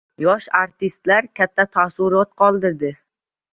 Yosh artistlar katta taassurot qoldirdi.